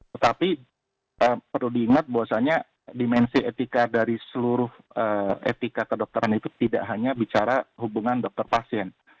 tetapi perlu diingat bahwasannya dimensi etika dari seluruh etika kedokteran itu tidak hanya bicara hubungan dokter pasien